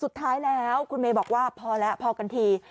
สุดท้ายแล้วคุณเมย์บอกว่าพอแล้วพอกันที